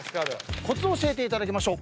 コツを教えていただきましょう。